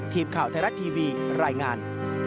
ทีมข่าวไทยรัฐทีวีรายงาน